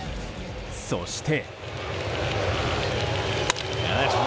そして。